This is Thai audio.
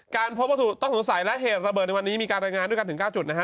พบวัตถุต้องสงสัยและเหตุระเบิดในวันนี้มีการรายงานด้วยกันถึง๙จุดนะฮะ